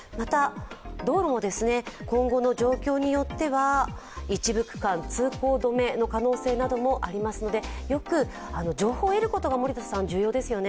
道路も今後の状況によっては一部区間、通行止めの可能性などもありますのでよく情報を得ることが重要ですよね。